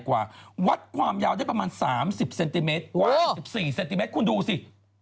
ซึ่งรอยเท้ากล่างกล่าวเนี่ยลองดูดิ